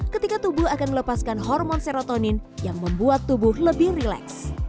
ketika tubuh akan melepaskan hormon serotonin yang membuat tubuh lebih rileks